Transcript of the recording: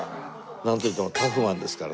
なんといってもタフマンですからね。